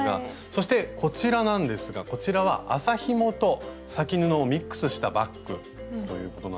そしてこちらなんですがこちらは麻ひもと裂き布をミックスしたバッグということなんですが。